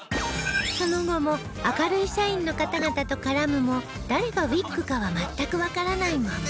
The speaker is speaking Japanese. その後も明るい社員の方々と絡むも誰がウィッグかは全くわからないまま